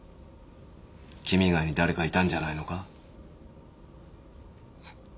君以外に誰かいたんじゃないのか？